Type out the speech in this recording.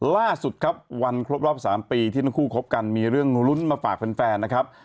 ล่าสุดครับวันครบรอบ๓ปีที่ทั้งคู่คบกันมีเรื่องรุ้นมาฝากแฟนนะครับ